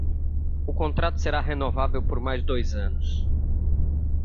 O contrato será renovável por mais dois anos.